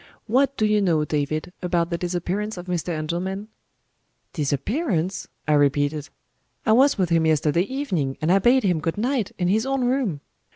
"What do you know, David, about the disappearance of Mr. Engelman?" "Disappearance?" I repeated. "I was with him yesterday evening and I bade him good night in his own room."